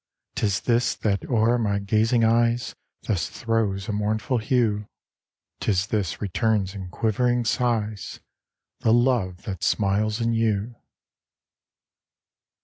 'Tis this that o'er my gazing eyes Thus throws a mournful hue ; 'Tis this returns in quiv'ring sighs The love that smiles in you.